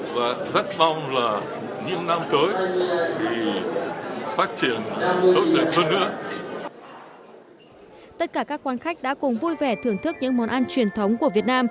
và rất mong là những năm tới thì phát triển tốt đẹp hơn nữa